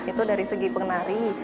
itu dari segi penari